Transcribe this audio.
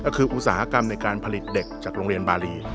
ก็คืออุตสาหกรรมในการผลิตเด็กจากโรงเรียนบารี